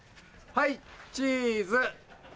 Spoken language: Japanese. はいチーズ。